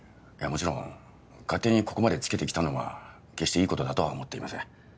もちろん勝手にここまでつけてきたのは決していいことだとは思っていません